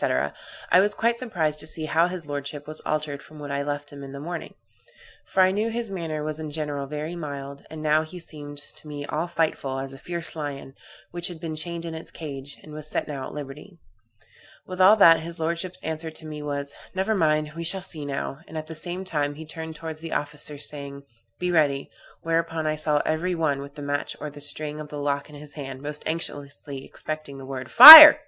I was quite surprised to see how his lordship was altered from what I left him in the morning; for I knew his manner was in general very mild, and now he seemed to me all fightful, as a fierce lion, which had been chained in its cage, and was set at liberty. With all that, his lordship's answer to me was, 'Never mind, we shall see now;' and at the same time he turned towards the officers, saying, 'Be ready,' whereupon I saw every one with the match or the string of the lock in his hand, most anxiously expecting the word 'Fire'!